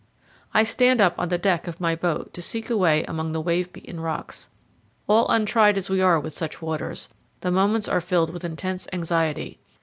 I stand up on the deck of my boat to seek a way among the wave beaten rocks. All untried as we are with such waters, the moments are filled with intense anxiety.